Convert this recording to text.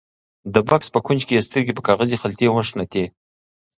د بکس په کونج کې یې سترګې په کاغذي خلطې ونښتې.